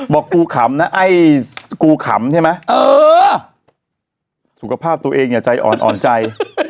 บอกกูขำนะไอ้กูขำใช่ไหมเออสุขภาพตัวเองอย่าใจอ่อนอ่อนใจ